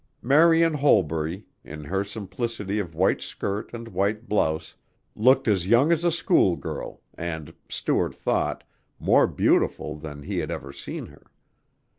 Marian Holbury, in her simplicity of white skirt and white blouse looked as young as a school girl and, Stuart thought, more beautiful than he had ever seen her.